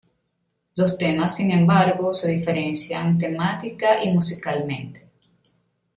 Los temas sin embargo se diferencian temática y musicalmente.